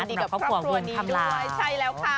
ดีกับครอบครัวนี้ด้วยใช่แล้วค่ะ